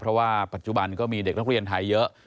เพราะว่าปัจจุบันก็มีเด็กนักเรียนไทยเยอะ